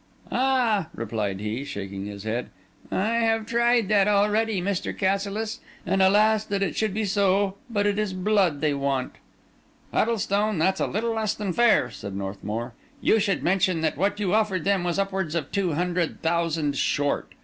"Ah!" replied he, shaking his head, "I have tried that already, Mr. Cassilis; and alas that it should be so! but it is blood they want." "Huddlestone, that's a little less than fair," said Northmour. "You should mention that what you offered them was upwards of two hundred thousand short.